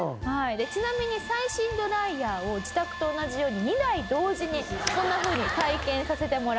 ちなみに最新ドライヤーを自宅と同じように２台同時にこんなふうに体験させてもらったと。